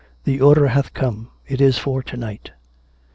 the order hath come. It is for to night."